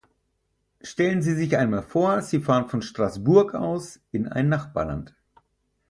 Stellen Sie sich einmal vor, Sie fahren von Straßburg aus in ein Nachbarland.